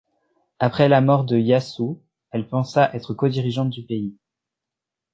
Après la mort de Iyasou, elle pensa être codirigeante du pays.